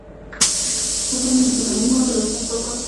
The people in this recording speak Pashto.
غوښتل مې د درناوي په خاطر لاسونه یې ښکل کړم.